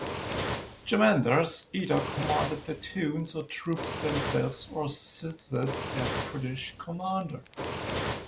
Jemadars either commanded platoons or troops themselves or assisted their British commander.